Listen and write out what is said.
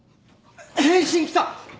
返信来た！